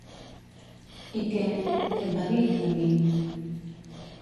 I què... què et va dir, de mi?